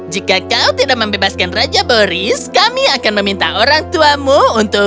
jika kau tidak membebaskan raja boris kami akan meminta orang tuamu untuk